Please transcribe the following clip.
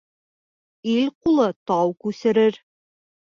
Ил ҡулы тау күсерер.